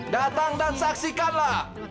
datang dan saksikanlah